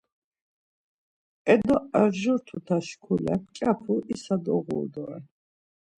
E do arjur tuta şkule mǩyapu isa doğuru doren.